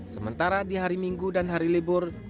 sementara di hari minggu dan hari libur